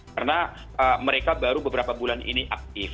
karena mereka baru beberapa bulan ini aktif